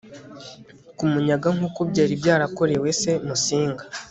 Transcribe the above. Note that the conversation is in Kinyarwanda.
ku munyaga nk'uko byari byarakorewe se, musinga